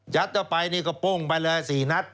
เข้าไปนี่ก็โป้งไปเลย๔นัด